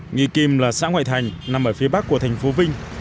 nghi kim là xã ngoại thành nằm ở phía bắc của thành phố vinh